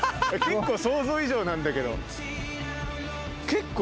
結構想像以上なんだけど。